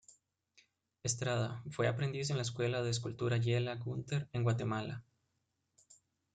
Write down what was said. Estrada, fue aprendiz en la Escuela de Escultura Yela Gunther en Guatemala.